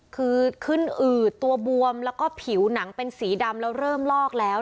คือขึ้นอืดตัวบวมแล้วก็ผิวหนังเป็นสีดำแล้วเริ่มลอกแล้ว